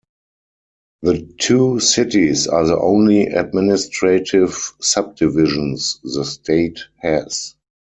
The two cities are the only administrative subdivisions the state has.